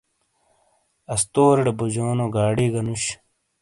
استوریڑے بوجونو گاڑی گہ نوش۔